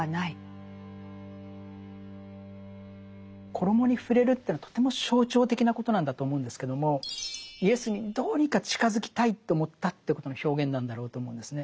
衣に触れるというのはとても象徴的なことなんだと思うんですけどもイエスにどうにか近づきたいと思ったということの表現なんだろうと思うんですね。